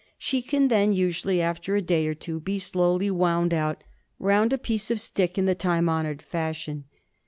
She can then, usually after a day or two, be slowly wound out round a piece of stick in the time honoured fashion.